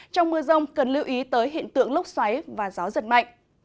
trong mưa rông cần lưu ý tới hiện tượng lúc xoáy và gió giật mạnh